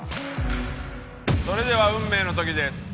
それでは運命の時です。